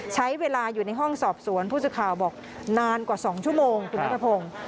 ใช้เวลาอยู่ในห้องสอบสวนผู้สื่อข่าวบอกนานกว่า๒ชั่วโมงคุณนัทพงศ์